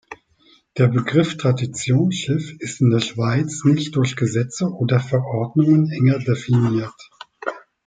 Der Begriff „Traditionsschiff“ ist in der Schweiz nicht durch Gesetze oder Verordnungen enger definiert.